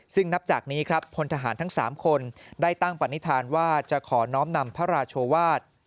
ซึ่งนับจากนี้ครับพลทหารทั้ง๓คนได้ตั้งปณิธานว่าจะขอน้อมนำพระราชวาส